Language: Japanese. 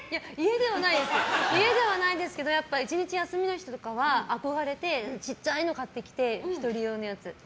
家ではないですけど１日休みの日とかは、憧れてちっちゃいの買ってきて１人用のやつ。